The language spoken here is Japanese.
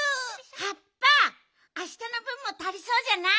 はっぱあしたのぶんもたりそうじゃない？